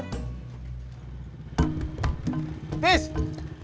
saya gak mau beli bubur